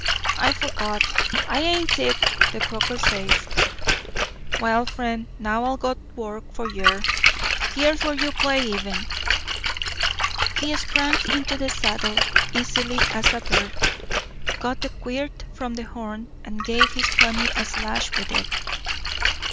I forgot—I ain't sick, the croaker says. Well, friend, now I'll go work for yer. Here's where you play even." He sprang into the saddle easily as a bird, got the quirt from the horn, and gave his pony a slash with it.